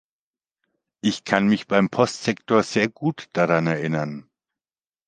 Ich kann mich beim Postsektor sehr gut daran erinnern.